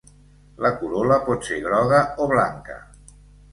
La corol·la pot ser groga o blanca.